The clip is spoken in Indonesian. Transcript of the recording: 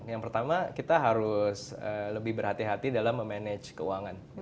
yang pertama kita harus lebih berhati hati dalam memanage keuangan